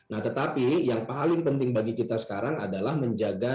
nah tetapi yang paling penting bagi kita sekarang adalah menjaga